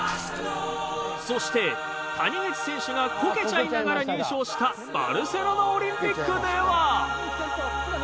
そして谷口選手がこけちゃいながら入賞したバルセロナオリンピックでは。